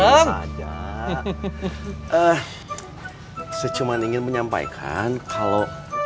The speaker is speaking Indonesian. saya cuma ingin menyampaikan kalau